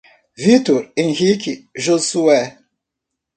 Vítor, Henrique, Josué